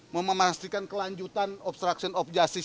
mau memastikan kelanjutan obstruction of justice